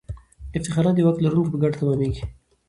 افتخارات د واک لرونکو په ګټه تمامیږي.